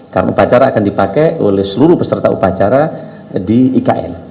karena upacara akan dipakai oleh seluruh peserta upacara di ikn